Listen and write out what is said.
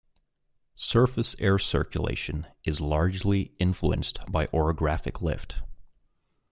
Surface air circulation is largely influenced by orographic lift.